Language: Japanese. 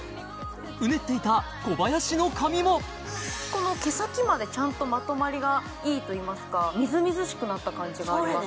うねっていた小林の髪もこの毛先までちゃんとまとまりがいいといいますかみずみずしくなった感じがあります